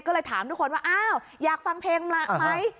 ก็เลยถามทุกคนว่าอ้าวอยากฟังเพลงมาไหม